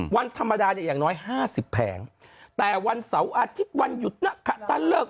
วันธรรมดาเนี่ยอย่างน้อยห้าสิบแผงแต่วันเสาร์อาทิตย์วันหยุดนักขัดตันเลิก